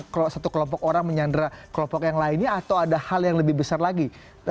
kalau satu kelompok orang menyandra kelompok yang lainnya atau ada hal yang lebih besar lagi